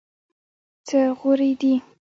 څه غورې دي.